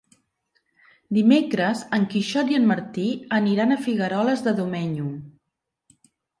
Dimecres en Quixot i en Martí aniran a Figueroles de Domenyo.